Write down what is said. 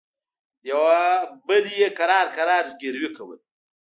يوه بل يې کرار کرار زګيروي کول.